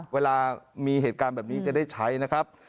เวลามีเหตุการณ์แบบนี้จะได้ใช้นะครับ